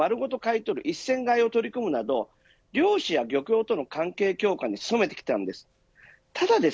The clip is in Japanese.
さらに船の水揚げを丸ごと買い取る一船買いを取り組むなど漁師や漁協との関係強化に努めてきたんです。